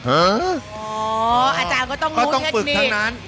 อาจารย์ก็ต้องรู้เทคลีก